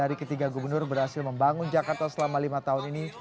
dari ketiga gubernur berhasil membangun jakarta selama lima tahun ini